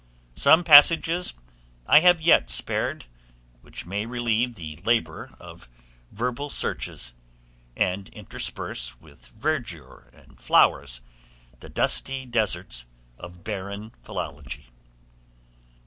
Some passages I have yet spared, which may relieve the labor of verbal searches, and intersperse with verdure and flowers the dusty deserts of barren philology.